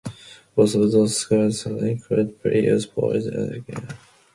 Both of those squads included players Ford had recruited to Arkansas.